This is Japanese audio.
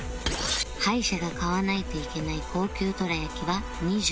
敗者が買わないといけない高級どら焼きは２３個に